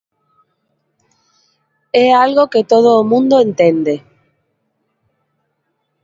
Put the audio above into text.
É algo que todo o mundo entende.